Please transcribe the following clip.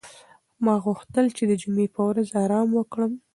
ما غوښتل چې د جمعې په ورځ ارام وکړم.